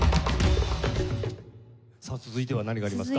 さあ続いては何がありますか？